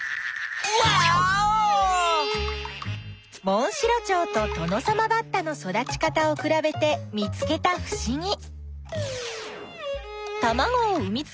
モンシロチョウとトノサマバッタの育ち方をくらべて見つけたふしぎ。